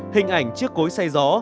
hình ảnh chiếc cối say gió